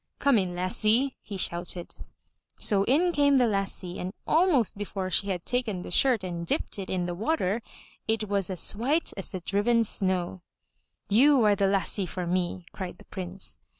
Come in lassie!'' he shouted. So in came the lassie, and almost before she had taken the shirt and dipped it in the water, it was as white as the driven snow. 'Tou are the lassie for me!" cried the Prince.